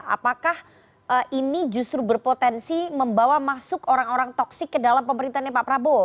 apakah ini justru berpotensi membawa masuk orang orang toksik ke dalam pemerintahnya pak prabowo